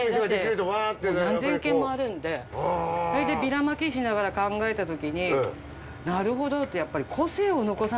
だってもう何千軒もあるんでそれでビラ撒きしながら考えたときになるほどって。